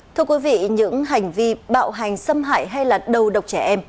thưa quý vị những hành vi bạo hành xâm hại hay là đầu độc trẻ em